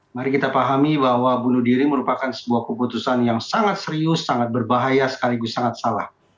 mari kita pahami bahwa bunuh diri merupakan sebuah keputusan yang sangat serius sangat berbahaya sekaligus sangat salah